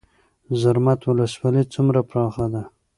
زرمت ولسوالۍ څومره پراخه ده؟